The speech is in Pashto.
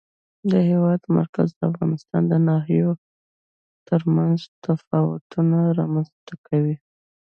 د هېواد مرکز د افغانستان د ناحیو ترمنځ تفاوتونه رامنځ ته کوي.